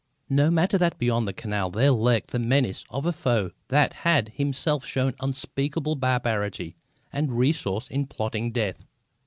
No matter that beyond the canal there lurked the menace of a foe that had himself shown unspeakable barbarity and resource in plotting death.